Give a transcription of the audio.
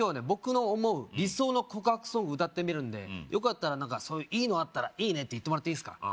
僕の思う理想の告白ソング歌ってみるんでよかったら何かいいのあったらいいねって言ってもらっていいすか？